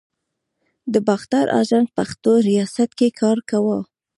د باختر آژانس پښتو ریاست کې کار کاوه.